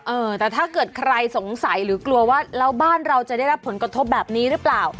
เออแต่ถ้าเกิดใครสงสัยหรือกลัวว่าแล้วบ้านเราจะได้รับผลกระทบแบบนี้หรือเปล่า